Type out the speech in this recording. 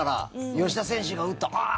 吉田選手が打ったあー！